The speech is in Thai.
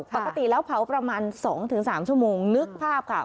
ปกติแล้วเผาประมาณ๒๓ชั่วโมงนึกภาพค่ะ